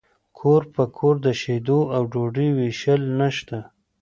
کور په کور د شیدو او ډوډۍ ویشل نشته